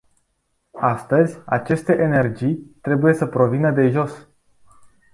Astăzi, aceste energii trebuie să provină de jos.